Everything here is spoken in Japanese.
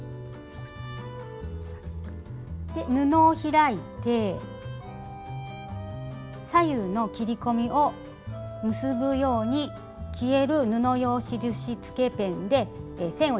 布を開いて左右の切り込みを結ぶように消える布用印つけペンで線を入れてください。